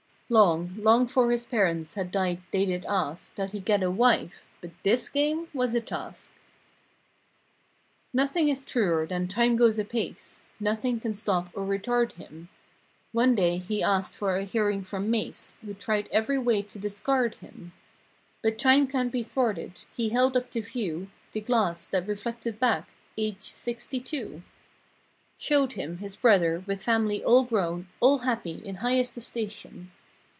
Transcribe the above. Long, long 'fore his parents had died they did ask That he get a wife—but this game was a task. Olfr 231 Nothing is truer than "Time goes apace!'* Nothing can stop or retard him One day he asked for a hearing from Mase Who tried every way to discard him But Time can't be thwarted; he held up to view The glass that reflected back—"Age sixty two!" Showed him, his brother, with family all grown, All happy—in highest of station.